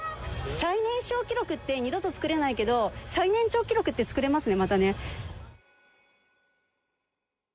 最年少記録って二度と作れないけど最年長記録ってまた作れますね。